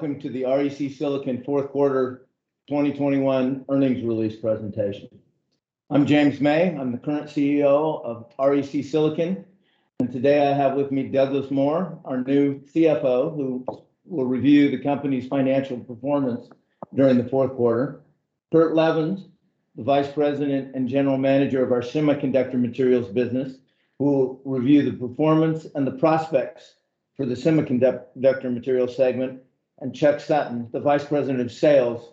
Welcome to the REC Silicon fourth quarter 2021 earnings release presentation. I'm James May. I'm the current CEO of REC Silicon, and today I have with me Douglas Moore, our new CFO, who will review the company's financial performance during the fourth quarter. Kurt Levens, the Vice President and General Manager of our Semiconductor Materials business, who will review the performance and the prospects for the Semiconductor Materials segment, and Chuck Sutton, the Vice President of Sales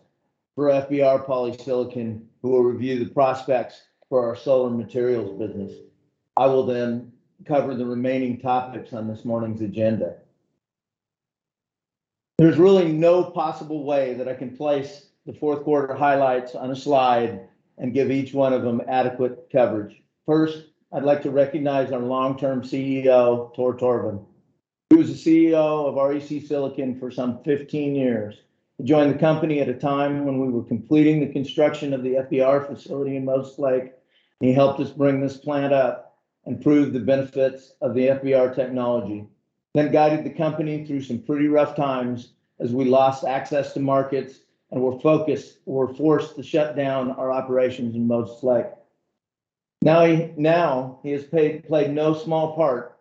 for FBR Polysilicon, who will review the prospects for our Solar Materials business. I will then cover the remaining topics on this morning's agenda. There's really no possible way that I can place the fourth quarter highlights on a slide and give each one of them adequate coverage. First, I'd like to recognize our long-term CEO, Tore Torvund. He was the CEO of REC Silicon for some 15 years. He joined the company at a time when we were completing the construction of the FBR facility in Moses Lake, and he helped us bring this plant up and prove the benefits of the FBR technology, then guided the company through some pretty rough times as we lost access to markets and were forced to shut down our operations in Moses Lake. Now he has played no small part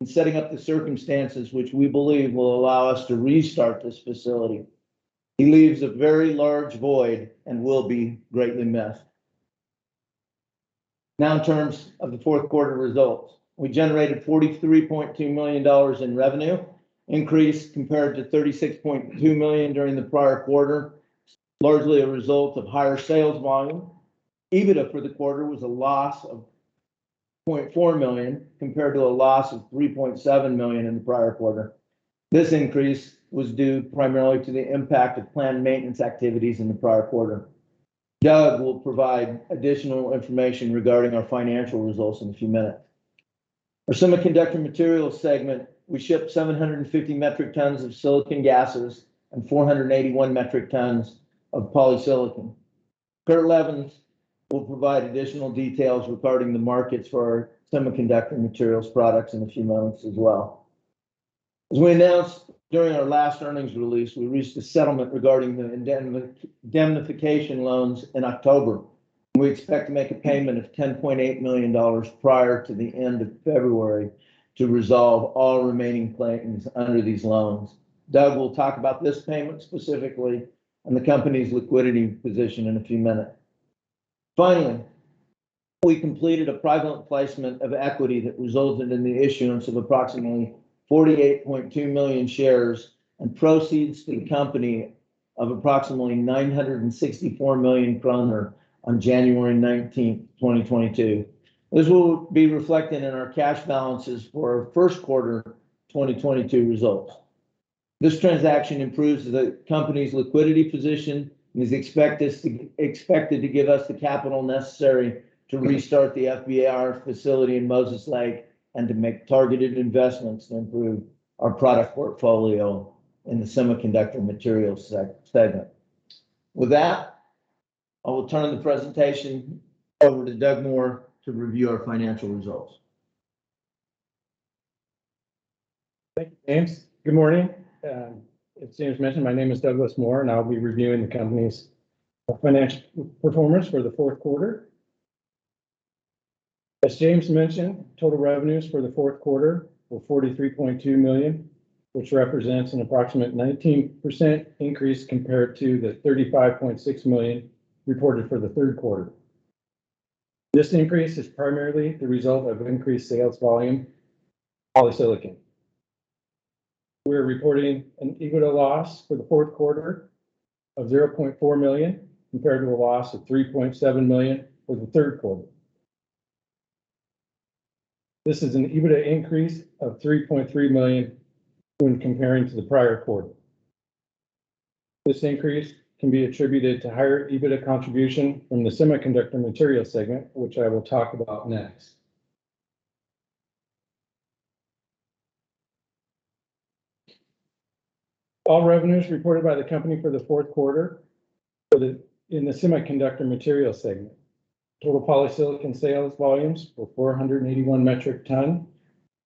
in setting up the circumstances which we believe will allow us to restart this facility. He leaves a very large void and will be greatly missed. Now in terms of the fourth quarter results. We generated $43.2 million in revenue, an increase compared to $36.2 million during the prior quarter, largely a result of higher sales volume. EBITDA for the quarter was a loss of $0.4 million, compared to a loss of $3.7 million in the prior quarter. This increase was due primarily to the impact of planned maintenance activities in the prior quarter. Doug will provide additional information regarding our financial results in a few minutes. In our Semiconductor Materials segment, we shipped 750 metric tons of silicon gases and 481 metric tons of polysilicon. Kurt Levens will provide additional details regarding the markets for our Semiconductor Materials products in a few moments as well. As we announced during our last earnings release, we reached a settlement regarding the indemnification loans in October. We expect to make a payment of $10.8 million prior to the end of February to resolve all remaining claims under these loans. Douglas will talk about this payment specifically and the company's liquidity position in a few minutes. Finally, we completed a private placement of equity that resulted in the issuance of approximately 48.2 million shares and proceeds to the company of approximately 964 million kroner on January 19, 2022. This will be reflected in our cash balances for our first quarter 2022 results. This transaction improves the company's liquidity position and is expected to give us the capital necessary to restart the FBR facility in Moses Lake and to make targeted investments to improve our product portfolio in the Semiconductor Materials segment. With that, I will turn the presentation over to Doug Moore to review our financial results. Thank you, James. Good morning. As James mentioned, my name is Douglas Moore, and I'll be reviewing the company's financial performance for the fourth quarter. As James mentioned, total revenues for the fourth quarter were $43.2 million, which represents an approximate 19% increase compared to the $35.6 million reported for the third quarter. This increase is primarily the result of increased sales volume of polysilicon. We are reporting an EBITDA loss for the fourth quarter of $0.4 million, compared to a loss of $3.7 million for the third quarter. This is an EBITDA increase of $3.3 million when comparing to the prior quarter. This increase can be attributed to higher EBITDA contribution from the Semiconductor Materials segment, which I will talk about next. All revenues reported by the company for the fourth quarter in the Semiconductor Materials segment. Total polysilicon sales volumes were 481 metric tons,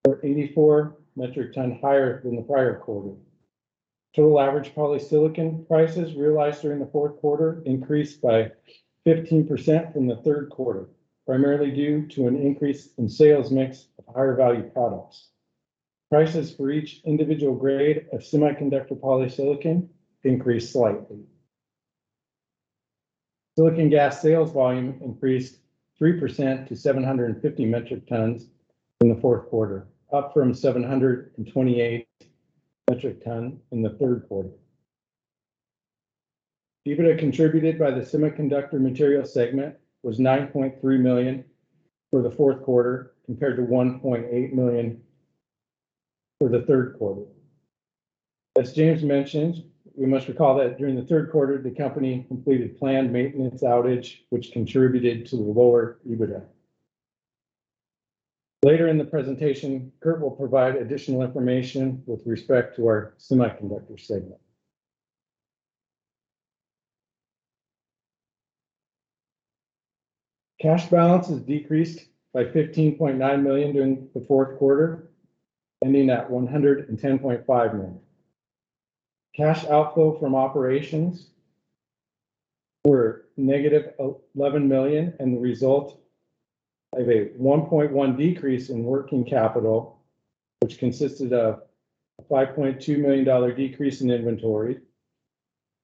or 84 metric tons higher than the prior quarter. Total average polysilicon prices realized during the fourth quarter increased by 15% from the third quarter, primarily due to an increase in sales mix of higher value products. Prices for each individual grade of semiconductor polysilicon increased slightly. Silicon gas sales volume increased 3% to 750 metric tons in the fourth quarter, up from 728 metric tons in the third quarter. EBITDA contributed by the Semiconductor Materials segment was $9.3 million for the fourth quarter, compared to $1.8 million for the third quarter. As James mentioned, we must recall that during the third quarter, the company completed planned maintenance outage, which contributed to the lower EBITDA. Later in the presentation, Kurt will provide additional information with respect to our semiconductor segment. Cash balances decreased by $15.9 million during the fourth quarter, ending at $110.5 million. Cash outflow from operations were negative $11 million, and the result of a 1.1 decrease in working capital, which consisted of a $5.2 million decrease in inventory,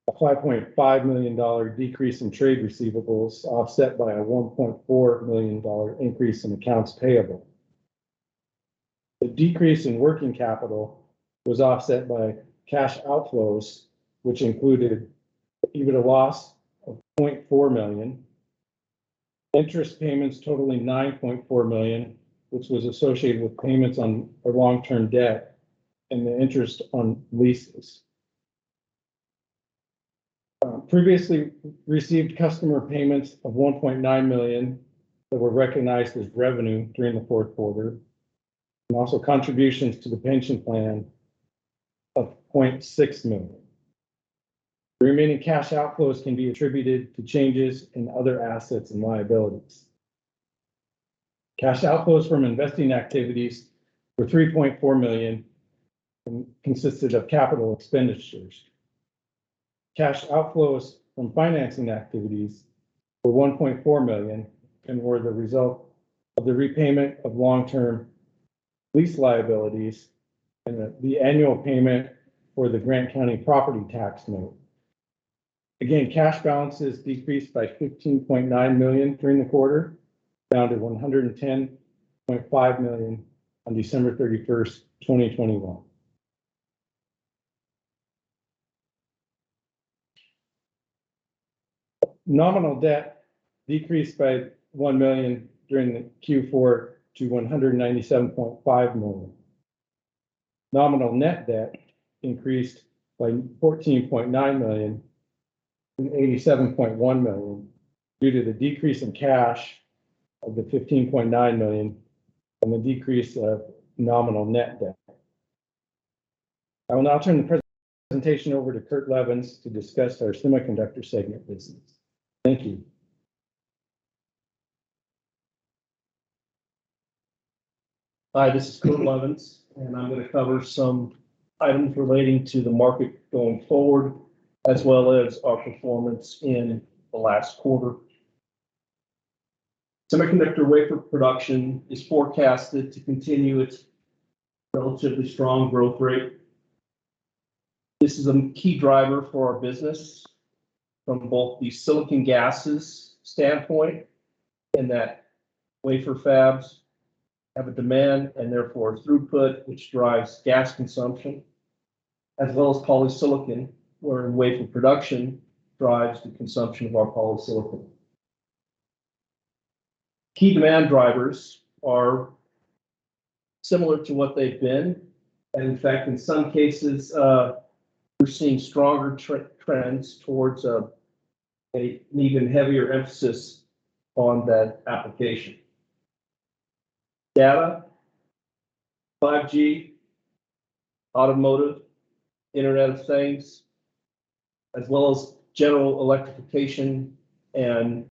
a $5.5 million decrease in trade receivables, offset by a $1.4 million increase in accounts payable. The decrease in working capital was offset by cash outflows, which included EBITDA loss of $0.4 million, interest payments totaling $9.4 million, which was associated with payments on our long-term debt, and the interest on leases. Previously received customer payments of $1.9 million that were recognized as revenue during the fourth quarter, and also contributions to the pension plan of $0.6 million. The remaining cash outflows can be attributed to changes in other assets and liabilities. Cash outflows from investing activities were $3.4 million, consisted of capital expenditures. Cash outflows from financing activities were $1.4 million, and were the result of the repayment of long-term lease liabilities and the annual payment for the Grant County property tax note. Cash balances decreased by $15.9 million during the quarter, down to $110.5 million on December 31st, 2021. Nominal debt decreased by $1 million during the Q4 to $197.5 million. Nominal net debt increased by $14.9 million to $87.1 million due to the decrease in cash of the $15.9 million and the decrease in nominal debt. I will now turn the presentation over to Kurt Levens to discuss our Semiconductor segment business. Thank you. Hi, this is Kurt Levens, and I'm gonna cover some items relating to the market going forward as well as our performance in the last quarter. Semiconductor wafer production is forecasted to continue its relatively strong growth rate. This is a key driver for our business from both the silicon gases standpoint, in that wafer fabs have a demand and therefore throughput, which drives gas consumption, as well as polysilicon, wherein wafer production drives the consumption of our polysilicon. Key demand drivers are similar to what they've been, and in fact, in some cases, we're seeing stronger trends towards an even heavier emphasis on that application: data, 5G, automotive, Internet of Things, as well as general electrification and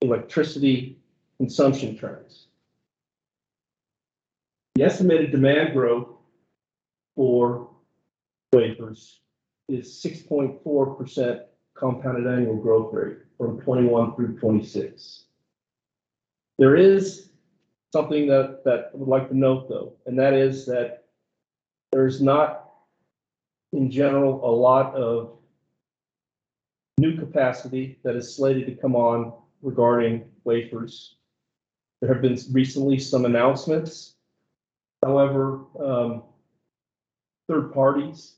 electricity consumption trends. The estimated demand growth for wafers is 6.4% compounded annual growth rate from 2021 through 2026. There is something that I would like to note though, and that is that there's not, in general, a lot of new capacity that is slated to come on regarding wafers. There have been some recent announcements. However, third parties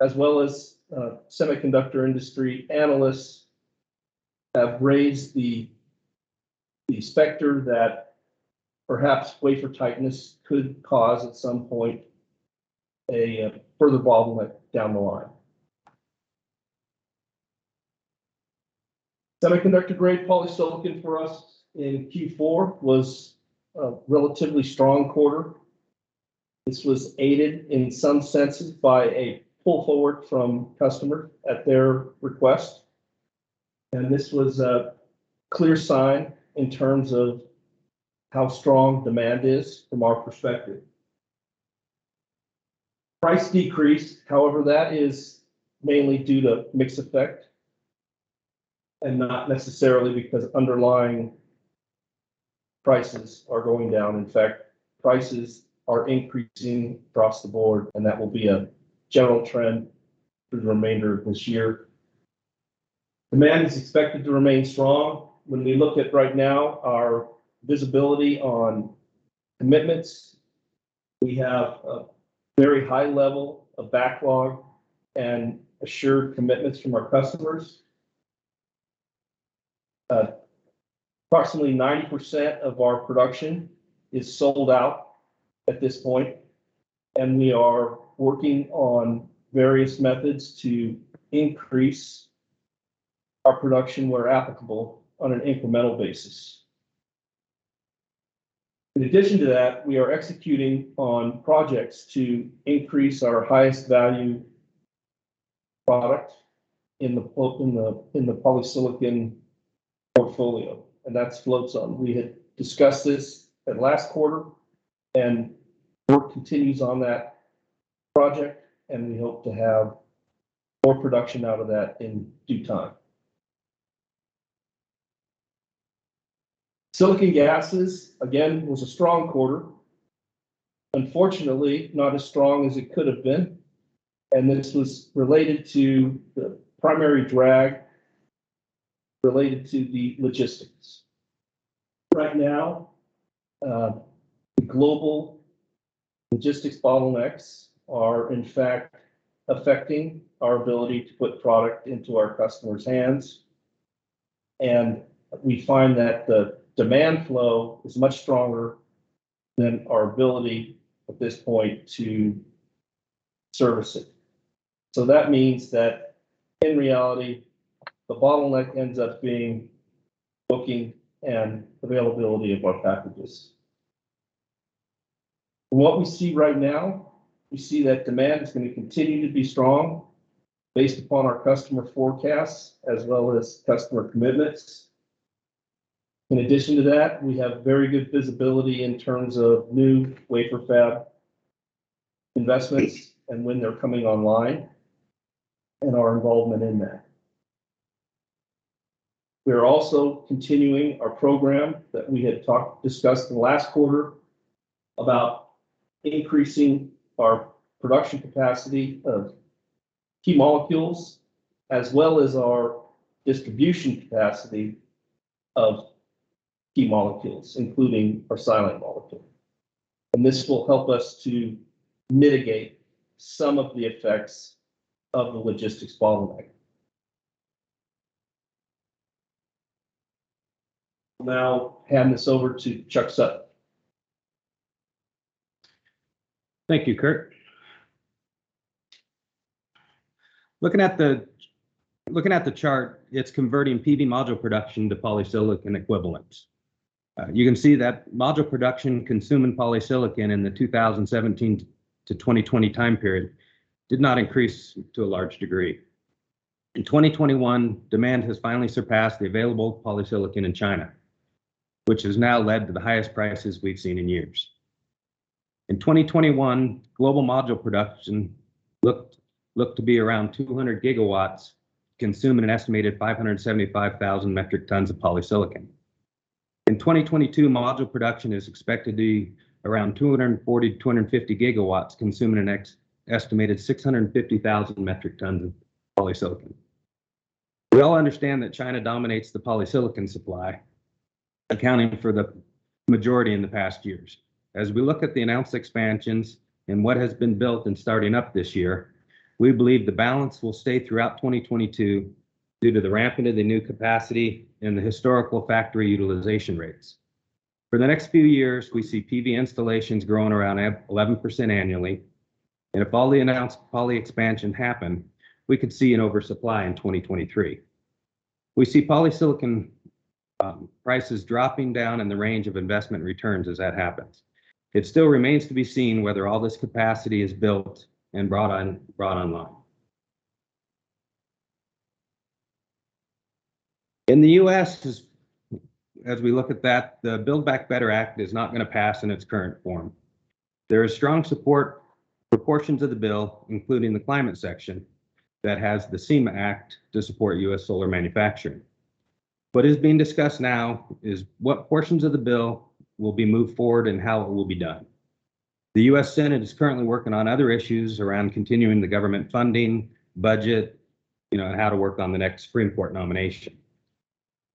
as well as semiconductor industry analysts have raised the specter that perhaps wafer tightness could cause, at some point, a further bottleneck down the line. Semiconductor-grade polysilicon for us in Q4 was a relatively strong quarter. This was aided in some senses by a pull forward from customer at their request, and this was a clear sign in terms of how strong demand is from our perspective. Price decreased. However, that is mainly due to mix effect and not necessarily because underlying prices are going down. In fact, prices are increasing across the board, and that will be a general trend through the remainder of this year. Demand is expected to remain strong. When we look at right now our visibility on commitments, we have a very high level of backlog and assured commitments from our customers. Approximately 90% of our production is sold out at this point, and we are working on various methods to increase our production where applicable on an incremental basis. In addition to that, we are executing on projects to increase our highest value product in the polysilicon portfolio, and that's float zone. We had discussed this at last quarter, and work continues on that project, and we hope to have more production out of that in due time. Silicon gases, again, was a strong quarter. Unfortunately, not as strong as it could have been, and this was related to the primary drag related to the logistics. Right now, the global logistics bottlenecks are in fact affecting our ability to put product into our customers' hands, and we find that the demand flow is much stronger than our ability at this point to service it. That means that in reality, the bottleneck ends up being booking and availability of our packages. What we see right now that demand is gonna continue to be strong based upon our customer forecasts as well as customer commitments. In addition to that, we have very good visibility in terms of new wafer fab investments and when they're coming online and our involvement in that. We're also continuing our program that we had discussed in the last quarter about increasing our production capacity of key molecules as well as our distribution capacity of key molecules, including our silane molecule. This will help us to mitigate some of the effects of the logistics bottleneck. I'll now hand this over to Chuck Sutton. Thank you, Kurt. Looking at the chart, it's converting PV module production to polysilicon equivalents. You can see that module production consuming polysilicon in the 2017-2020 time period did not increase to a large degree. In 2021, demand has finally surpassed the available polysilicon in China, which has now led to the highest prices we've seen in years. In 2021, global module production looked to be around 200 gigawatts, consuming an estimated 575,000 metric tons of polysilicon. In 2022, module production is expected to be around 240 GW - 250 GW, consuming an estimated 650,000 metric tons of polysilicon. We all understand that China dominates the polysilicon supply, accounting for the majority in the past years. As we look at the announced expansions and what has been built and starting up this year, we believe the balance will stay throughout 2022 due to the ramp into the new capacity and the historical factory utilization rates. For the next few years, we see PV installations growing around 11% annually, and if all the announced poly expansion happen, we could see an oversupply in 2023. We see polysilicon prices dropping down in the range of investment returns as that happens. It still remains to be seen whether all this capacity is built and brought online. In the U.S., we look at that, the Build Back Better Act is not gonna pass in its current form. There is strong support for portions of the bill, including the climate section, that has the SEMA Act to support U.S. solar manufacturing. What is being discussed now is what portions of the bill will be moved forward and how it will be done. The U.S. Senate is currently working on other issues around continuing the government funding budget, you know, and how to work on the next Supreme Court nomination.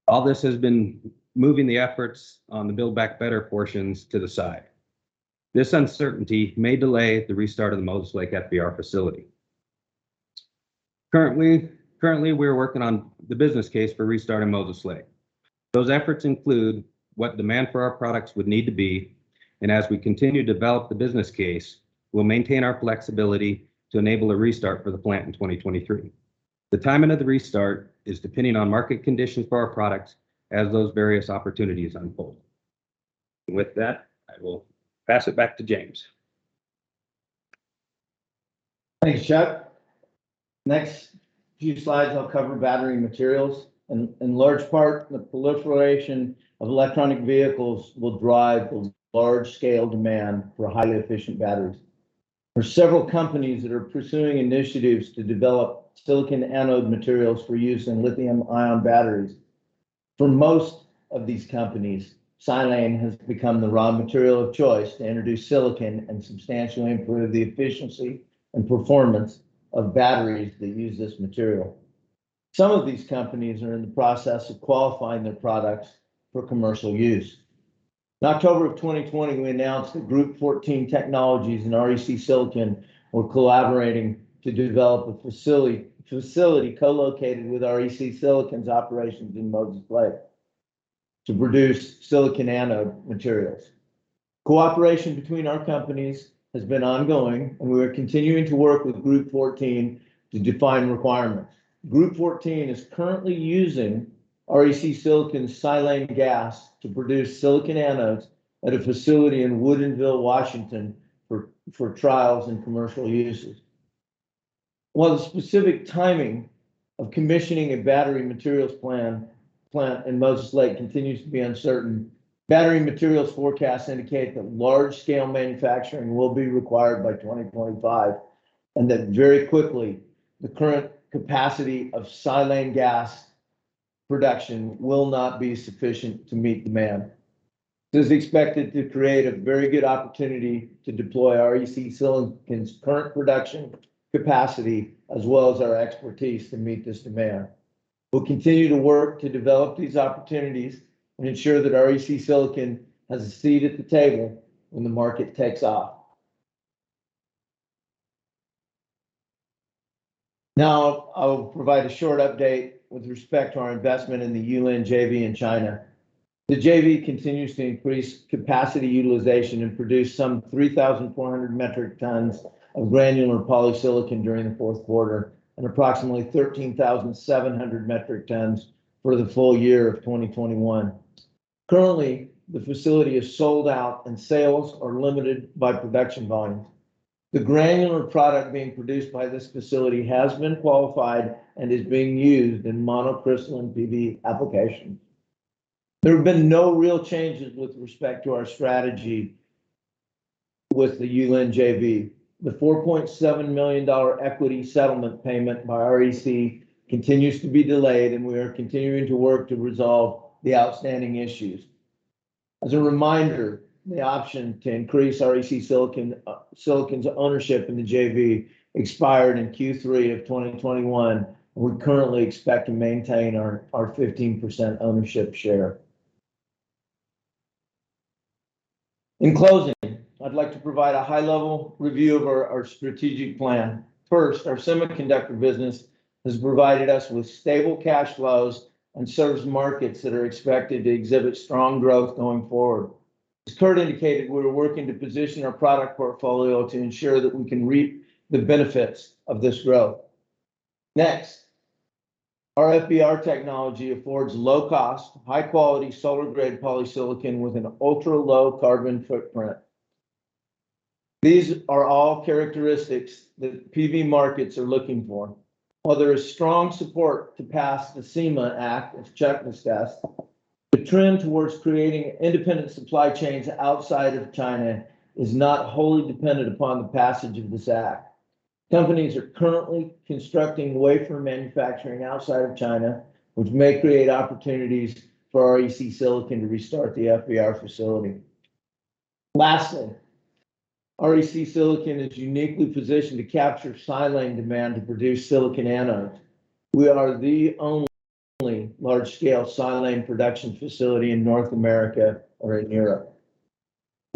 All this has been moving the efforts on the Build Back Better portions to the side. This uncertainty may delay the restart of the Moses Lake FBR facility. Currently, we're working on the business case for restarting Moses Lake. Those efforts include what demand for our products would need to be, and as we continue to develop the business case, we'll maintain our flexibility to enable a restart for the plant in 2023. The timing of the restart is depending on market conditions for our products as those various opportunities unfold. With that, I will pass it back to James. Thanks, Chuck. Next few slides, I'll cover battery materials. In large part, the proliferation of electric vehicles will drive a large-scale demand for highly efficient batteries. There are several companies that are pursuing initiatives to develop silicon anode materials for use in lithium-ion batteries. For most of these companies, silane has become the raw material of choice to introduce silicon and substantially improve the efficiency and performance of batteries that use this material. Some of these companies are in the process of qualifying their products for commercial use. In October of 2020, we announced that Group14 Technologies and REC Silicon were collaborating to develop a facility co-located with REC Silicon's operations in Moses Lake to produce silicon anode materials. Cooperation between our companies has been ongoing, and we are continuing to work with Group14 to define requirements. Group14 is currently using REC Silicon's silane gas to produce silicon anodes at a facility in Woodinville, Washington, for trials and commercial uses. While the specific timing of commissioning a battery materials plant in Moses Lake continues to be uncertain, battery materials forecasts indicate that large-scale manufacturing will be required by 2025, and that very quickly the current capacity of silane gas production will not be sufficient to meet demand. This is expected to create a very good opportunity to deploy REC Silicon's current production capacity as well as our expertise to meet this demand. We'll continue to work to develop these opportunities and ensure that REC Silicon has a seat at the table when the market takes off. Now, I will provide a short update with respect to our investment in the Yulin JV in China. The JV continues to increase capacity utilization and produced some 3,400 metric tons of granular polysilicon during the fourth quarter, and approximately 13,700 metric tons for the full year of 2021. Currently, the facility is sold out and sales are limited by production volumes. The granular product being produced by this facility has been qualified and is being used in monocrystalline PV applications. There have been no real changes with respect to our strategy with the Yulin JV. The $4.7 million equity settlement payment by REC continues to be delayed, and we are continuing to work to resolve the outstanding issues. As a reminder, the option to increase REC Silicon's ownership in the JV expired in Q3 of 2021. We currently expect to maintain our 15% ownership share. In closing, I'd like to provide a high-level review of our strategic plan. First, our semiconductor business has provided us with stable cash flows and serves markets that are expected to exhibit strong growth going forward. As Kurt indicated, we are working to position our product portfolio to ensure that we can reap the benefits of this growth. Next, our FBR technology affords low-cost, high-quality solar-grade polysilicon with an ultra-low carbon footprint. These are all characteristics the PV markets are looking for. While there is strong support to pass the SEMA Act, as Chuck discussed, the trend towards creating independent supply chains outside of China is not wholly dependent upon the passage of this act. Companies are currently constructing wafer manufacturing outside of China, which may create opportunities for REC Silicon to restart the FBR facility. Lastly, REC Silicon is uniquely positioned to capture silane demand to produce silicon anodes. We are the only large-scale silane production facility in North America or in Europe.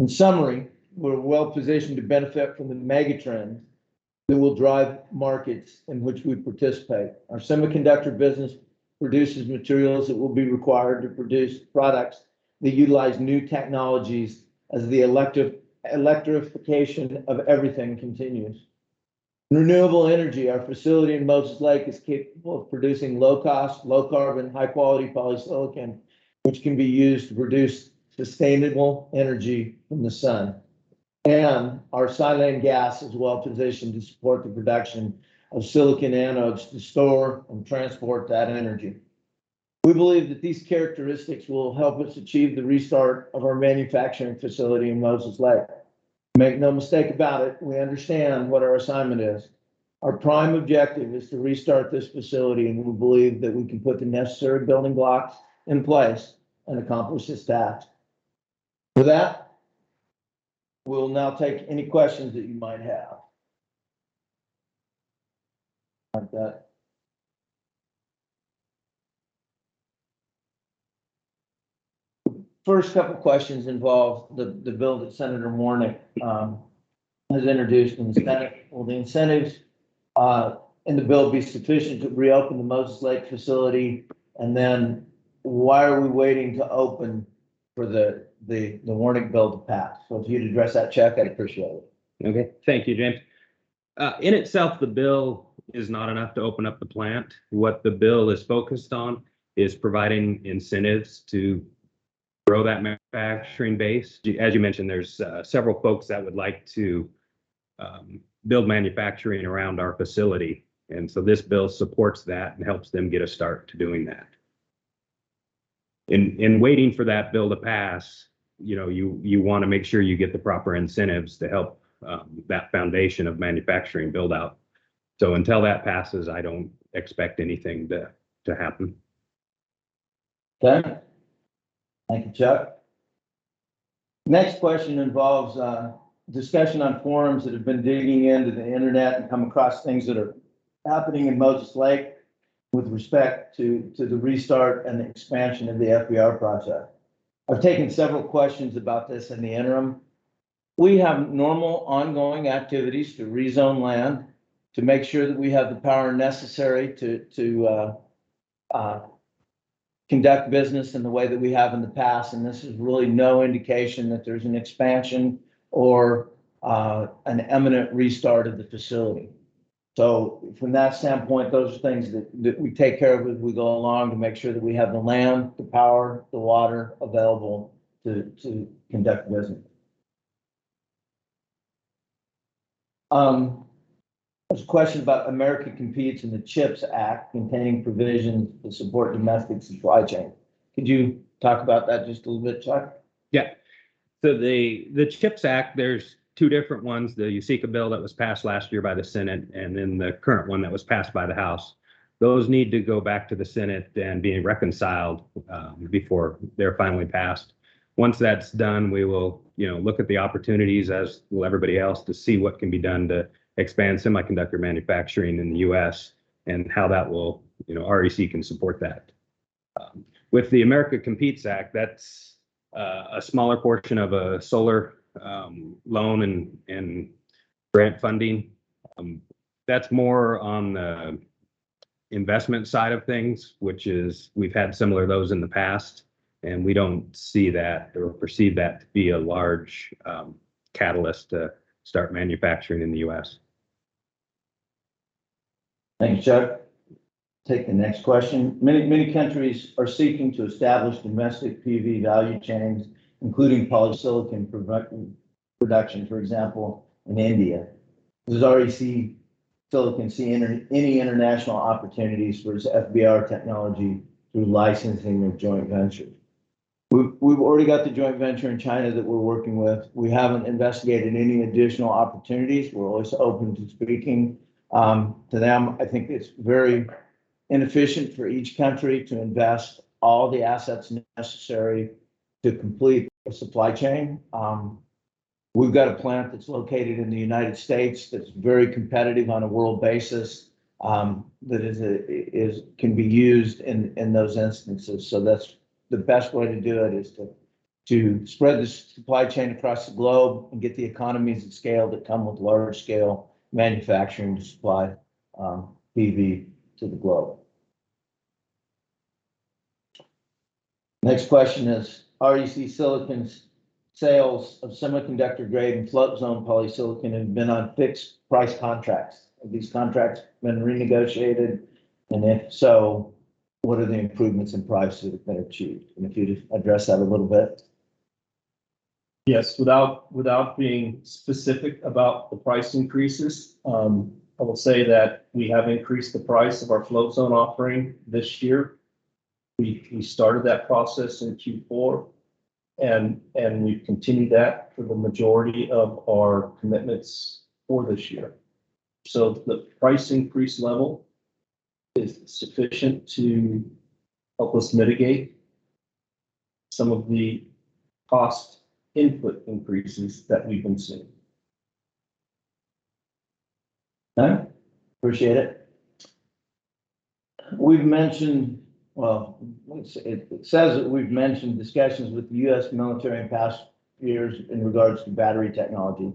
In summary, we're well-positioned to benefit from the mega trends that will drive markets in which we participate. Our semiconductor business produces materials that will be required to produce products that utilize new technologies as the electrification of everything continues. In renewable energy, our facility in Moses Lake is capable of producing low-cost, low-carbon, high-quality polysilicon, which can be used to produce sustainable energy from the sun. Our silane gas is well-positioned to support the production of silicon anodes to store and transport that energy. We believe that these characteristics will help us achieve the restart of our manufacturing facility in Moses Lake. Make no mistake about it, we understand what our assignment is. Our prime objective is to restart this facility, and we believe that we can put the necessary building blocks in place and accomplish just that. With that, we'll now take any questions that you might have. I've got first couple questions involve the bill that Senator Warnock has introduced in the Senate. Will the incentives in the bill be sufficient to reopen the Moses Lake facility? And then why are we waiting to open for the Warnock bill to pass? If you'd address that, Chuck, I'd appreciate it. Okay. Thank you, James. In itself, the bill is not enough to open up the plant. What the bill is focused on is providing incentives to grow that manufacturing base. As you mentioned, there's several folks that would like to build manufacturing around our facility, and so this bill supports that and helps them get a start to doing that. In waiting for that bill to pass, you know, you wanna make sure you get the proper incentives to help that foundation of manufacturing build out. Until that passes, I don't expect anything to happen. Okay. Thank you, Chuck. Next question involves discussion on forums that have been digging into the internet and come across things that are happening in Moses Lake with respect to the restart and the expansion of the FBR project. I've taken several questions about this in the interim. We have normal ongoing activities to rezone land to make sure that we have the power necessary to conduct business in the way that we have in the past, and this is really no indication that there's an expansion or an imminent restart of the facility. From that standpoint, those are things that we take care of as we go along to make sure that we have the land, the power, the water available to conduct business. There's a question about America COMPETES and the CHIPS Act containing provisions to support domestic supply chain. Could you talk about that just a little bit, Chuck? The CHIPS Act, there's two different ones. The USICA bill that was passed last year by the Senate, and then the current one that was passed by the House. Those need to go back to the Senate, then being reconciled before they're finally passed. Once that's done, we will, you know, look at the opportunities as will everybody else to see what can be done to expand semiconductor manufacturing in the U.S. and how that will, you know, REC can support that. With the America COMPETES Act, that's a smaller portion of a solar loan and grant funding. That's more on the investment side of things, which is we've had similar to those in the past, and we don't see that or perceive that to be a large catalyst to start manufacturing in the U.S. Thanks, Chuck. Take the next question. Many countries are seeking to establish domestic PV value chains, including polysilicon production, for example, in India. Does REC Silicon see any international opportunities for its FBR technology through licensing or joint ventures? We've already got the joint venture in China that we're working with. We haven't investigated any additional opportunities. We're always open to speaking to them. I think it's very inefficient for each country to invest all the assets necessary to complete a supply chain. We've got a plant that's located in the United States that's very competitive on a world basis that can be used in those instances. That's the best way to do it, is to spread the supply chain across the globe and get the economies of scale that come with larger scale manufacturing to supply PV to the globe. Next question is, REC Silicon's sales of semiconductor-grade and float-zone polysilicon have been on fixed price contracts. Have these contracts been renegotiated, and if so, what are the improvements in price that have been achieved? And if you'd address that a little bit. Yes. Without being specific about the price increases, I will say that we have increased the price of our float zone offering this year. We started that process in Q4, and we've continued that for the majority of our commitments for this year. The price increase level is sufficient to help us mitigate some of the cost input increases that we've been seeing. Okay. Appreciate it. We've mentioned. Well, it says that we've mentioned discussions with the U.S. military in past years in regards to battery technology.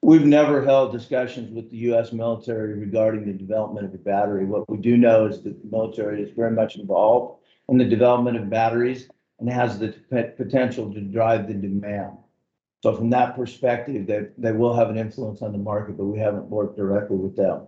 We've never held discussions with the U.S. military regarding the development of a battery. What we do know is that the military is very much involved in the development of batteries and has the potential to drive the demand. From that perspective, they will have an influence on the market, but we haven't worked directly with them.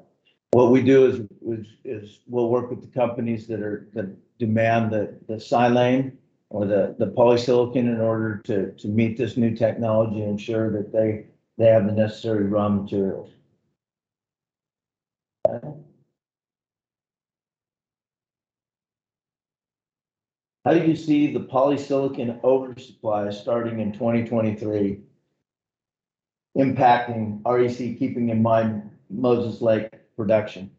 What we do is we'll work with the companies that demand the silane or the polysilicon in order to meet this new technology and ensure that they have the necessary raw materials. Okay. How do you see the polysilicon oversupply starting in 2023 impacting REC, keeping in mind Moses Lake production?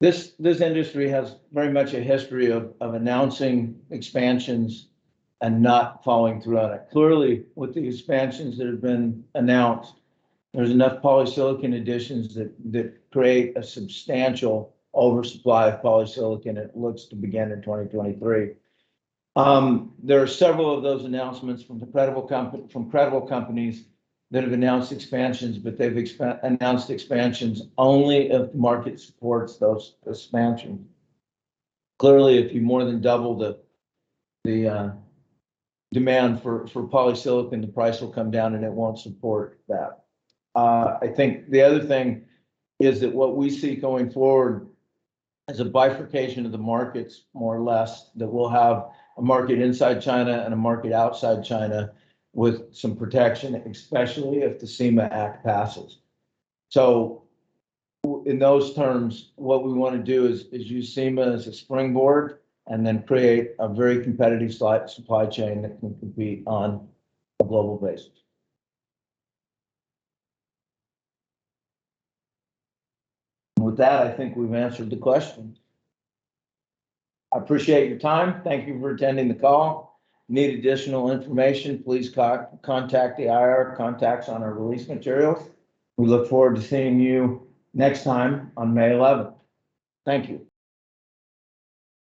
This industry has very much a history of announcing expansions and not following through on it. Clearly, with the expansions that have been announced, there's enough polysilicon additions that create a substantial oversupply of polysilicon. It looks to begin in 2023. There are several of those announcements from credible companies that have announced expansions, but they've announced expansions only if the market supports those expansions. Clearly, if you more than double the demand for polysilicon, the price will come down, and it won't support that. I think the other thing is that what we see going forward is a bifurcation of the markets, more or less, that we'll have a market inside China and a market outside China with some protection, especially if the SEMA Act passes. In those terms, what we wanna do is use SEMA as a springboard and then create a very competitive supply chain that can compete on a global basis. With that, I think we've answered the questions. I appreciate your time. Thank you for attending the call. If you need additional information, please contact the IR contacts on our release materials. We look forward to seeing you next time on May 11th. Thank you.